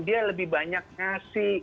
dia lebih banyak ngasih